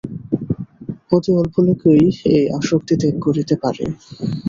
অতি অল্প লোকেই এই আসক্তি ত্যাগ করিতে পারে।